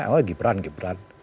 oh ya gibran gibran